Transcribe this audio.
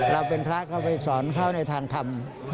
เราเป็นพระก็ไปสอนเขาในทางธรรม